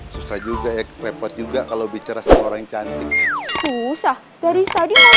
susah juga ya repot juga kalau bicara seorang cantik susah dari tadi